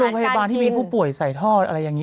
โรงพยาบาลที่มีผู้ป่วยใส่ทอดอะไรอย่างนี้